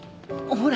ほら。